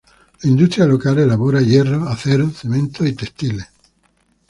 La industria local elabora hierro, acero, cemento y textiles.